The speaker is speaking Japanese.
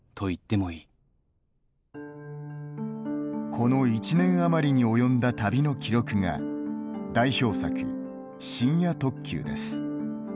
この１年余りに及んだ旅の記録が代表作「深夜特急」です。